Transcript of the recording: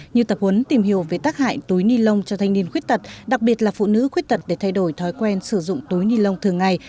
như tập huấn tìm hiểu về tác hại túi ni lông cho thanh niên khuyết tật đặc biệt là phụ nữ khuyết tật để thay đổi thói quen sử dụng túi ni lông thường ngày